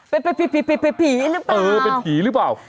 เป็นผีหรือเปล่าเออเป็นผีหรือเปล่า